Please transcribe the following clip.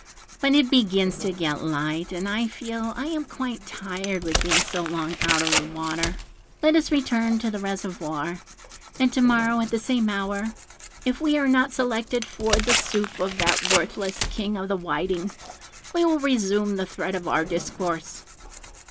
But it begins to get light, and I feel I am quite tired with being so long out of the water; let us return to the reservoir, and to morrow, at the same hour, if we are not selected for the soup of that worthless King of the Whiting, we will resume the thread of our discourse.